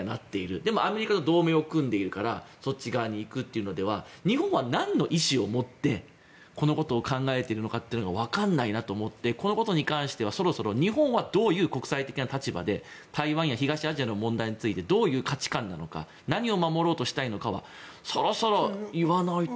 でも、アメリカと同盟を組んでいるからそっち側に行くというのでは日本は何の意思を持ってこのことを考えているのかなというのが分からないと思ってこのことに関してはそろそろ日本はどういう国際的な立場で台湾や東アジアの問題についてどういう価値観なのか何を守ろうとしたいのかはそろそろ言わないと。